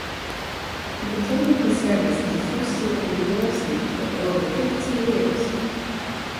He continued his service as a Trustee of the University for over fifty years.